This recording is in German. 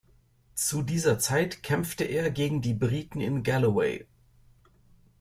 Zu dieser Zeit kämpfte er gegen die Briten in Galloway.